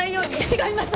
違います！